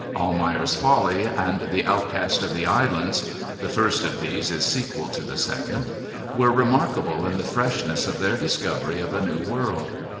Almayer's Folly and The Outcast of the Islands (the first of these is sequel to the second) were remarkable in the freshness of their discovery of a new world.